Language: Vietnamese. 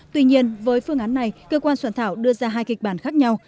tuy nhiên với phương án này cơ quan soạn thảo đưa ra hai kịch bản khác nhau